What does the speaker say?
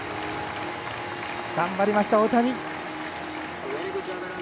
頑張りました、大谷。